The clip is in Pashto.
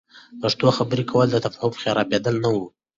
پښتو خبرې کول، د تفهم خرابیدل نه وي.